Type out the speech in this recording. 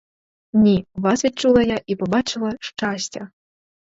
Ні, у вас відчула я і побачила щастя.